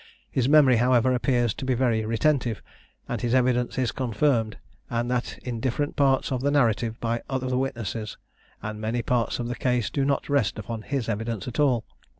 His memory however appears to be very retentive, and his evidence is confirmed, and that in different parts of the narrative, by other witnesses; and many parts of the case do not rest upon his evidence at all.